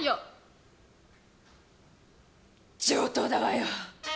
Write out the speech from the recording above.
上等だわよ。